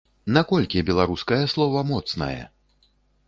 Наколькі беларускае слова моцнае?